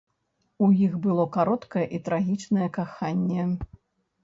У іх было кароткае і трагічнае каханне.